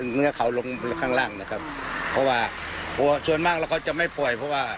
เนื้อเขาลงข้างล่างนะครับเพราะว่ากลัวส่วนมากแล้วเขาจะไม่ปล่อยเพราะว่า